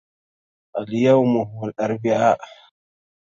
اليوم هو الأربعاء